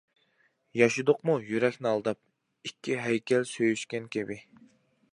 ياشىدۇقمۇ يۈرەكنى ئالداپ، ئىككى ھەيكەل سۆيۈشكەن كەبى.